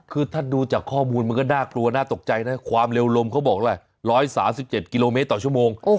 คือถ้าดูจากข้อมูลมันก็น่ากลัวน่าตกใจนะความเร็วลมเขาบอกอะไร๑๓๗กิโลเมตรต่อชั่วโมง